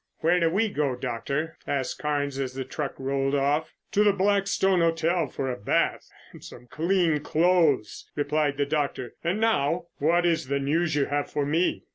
"Where do we go, Doctor?" asked Carnes as the truck rolled off. "To the Blackstone Hotel for a bath and some clean clothes," replied the doctor. "And now, what is the news you have for me?"